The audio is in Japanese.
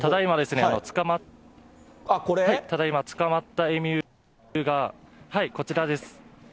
ただ今、捕まったエミューがこちらです。